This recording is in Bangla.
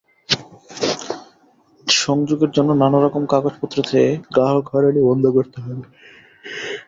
সংযোগের জন্য নানা রকম কাগজপত্র চেয়ে গ্রাহক হয়রানি বন্ধ করতে হবে।